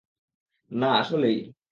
না, আসলেই।